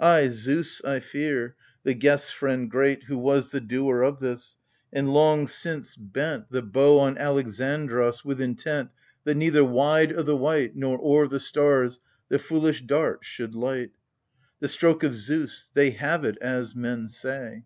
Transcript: Ay, Zeus I fear — the guest's friend great — who was The doer of this, and long since bent 32 AGAMEMNON. The bow on Alexandros with intent That neither wide o' the white Nor o'er the stars the fooUsh dart should light. The stroke of Zeus — they have it, as men say